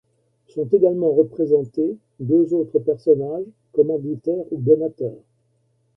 Sont également représentés deux autres personnages, commanditaires ou donateurs.